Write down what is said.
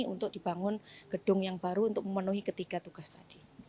untuk dibangun gedung yang baru untuk memenuhi ketiga tugas tadi